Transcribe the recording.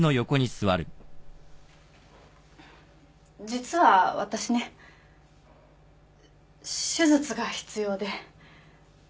実は私ね手術が必要で。